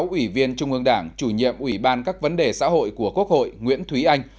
ủy viên trung ương đảng chủ nhiệm ủy ban các vấn đề xã hội của quốc hội nguyễn thúy anh